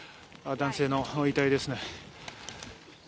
男性の遺体ですね。